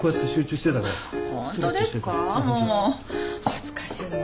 恥ずかしいな。